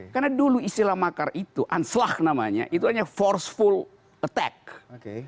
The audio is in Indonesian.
karena dulu istilah makar itu anslag namanya itu hanya forceful attack